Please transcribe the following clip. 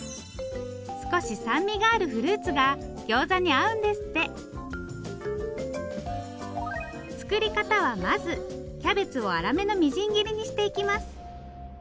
少し酸味があるフルーツがギョーザに合うんですって作り方はまずキャベツを粗めのみじん切りにしていきます